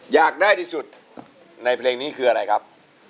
อยากได้ที่สุดในเพลงนี้คืออะไรครับ